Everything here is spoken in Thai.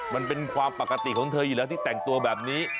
มันเป็นความปกติของเธออยู่แล้วที่แต่งตัวแบบนี้